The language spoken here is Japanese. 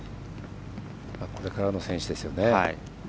これからの選手ですよね。